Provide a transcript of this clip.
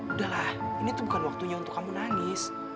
udah lah ini tuh bukan waktunya untuk kamu nangis